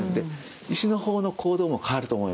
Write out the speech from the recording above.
医師の方の行動も変わると思います。